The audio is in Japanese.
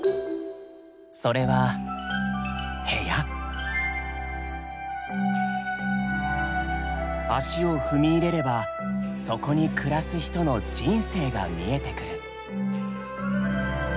それは足を踏み入れればそこに暮らす人の人生が見えてくる。